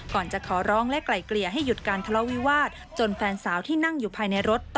ก่อนจะขอร้องและไกลเกลี่ยให้หยุดการทะเลาวิวาด